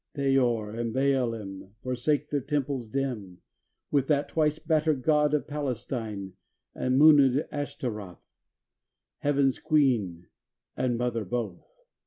xxn Peor and Baalim Forsake their temples dim, With that twice battered god of Palestine; And mooned Ashtaroth, Heaven's Queen and Mother both.